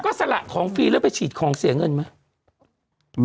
ก็สละของฟรีแล้วไปฉีดของเสียเงินไหม